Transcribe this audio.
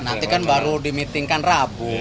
nanti kan baru dimitingkan rabu